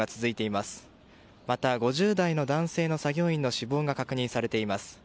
また、５０代の男性の作業員の死亡が確認されています。